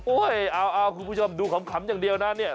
เอาคุณผู้ชมดูขำอย่างเดียวนะเนี่ย